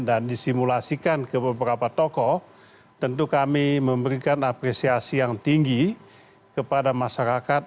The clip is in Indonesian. dan disimulasikan ke beberapa tokoh tentu kami memberikan apresiasi yang tinggi kepada masyarakat